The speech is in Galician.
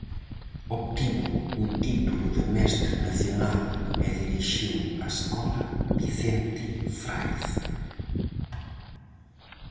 Obtivo o título de mestre nacional e dirixiu a escola Vicente Fraiz.